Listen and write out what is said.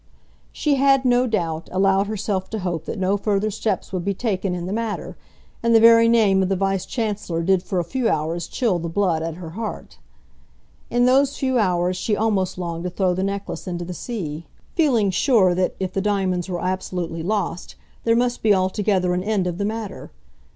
She had, no doubt, allowed herself to hope that no further steps would be taken in the matter; and the very name of the Vice Chancellor did for a few hours chill the blood at her heart. In those few hours she almost longed to throw the necklace into the sea, feeling sure that, if the diamonds were absolutely lost, there must be altogether an end of the matter.